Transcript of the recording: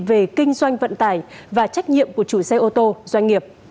về kinh doanh vận tải và trách nhiệm của chủ xe ô tô doanh nghiệp